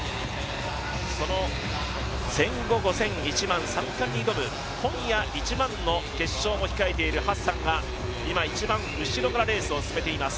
その１５００、５０００、１００００、今夜１００００の決勝も控えているハッサンが今、一番後ろからレースを進めています。